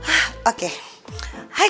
ada apa ya lu nelfon gue